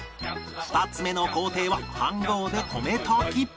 ２つ目の工程は飯ごうで米炊き